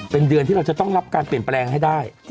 เป็นเดือนที่เราจะต้องรับการเปลี่ยนแปลงให้ได้